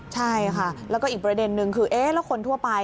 ใช่ค่ะแล้วก็อีกประเด็นนึงคือเอ๊ะแล้วคนทั่วไป